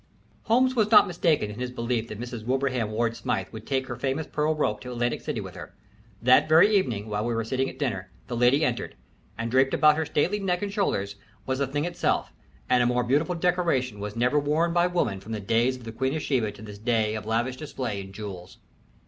Holmes was not mistaken in his belief that Mrs. Wilbraham Ward Smythe would take her famous pearl rope to Atlantic City with her. That very evening, while we were sitting at dinner, the lady entered, and draped about her stately neck and shoulders was the thing itself, and a more beautiful decoration was never worn by woman from the days of the Queen of Sheba to this day of lavish display in jewels.